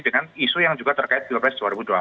dengan isu yang juga terkait pilpres dua ribu dua puluh